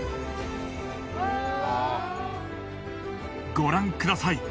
ご覧ください